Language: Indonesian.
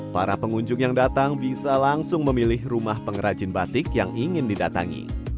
para pengunjung yang datang bisa langsung memilih rumah pengrajin batik yang ingin didatangi